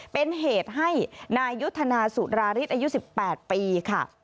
เป็นเหตุให้นายยุทธนาสุราฤทธิอายุ๑๘ปีค่ะ